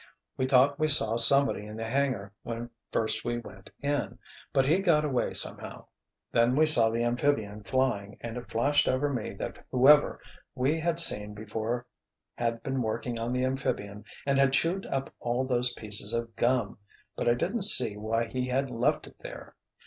We thought we saw somebody in the hangar when first we went in—but he got away somehow. Then we saw the amphibian flying and it flashed over me that whoever we had seen before had been working on the amphibian and had chewed up all those pieces of gum—but I didn't see why he had left it there.